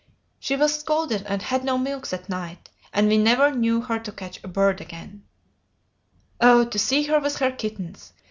She was scolded and had no milk that night, and we never knew her to catch a bird again. "O to see her with her kittens!